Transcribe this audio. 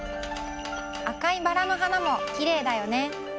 赤いバラのはなもきれいだよね。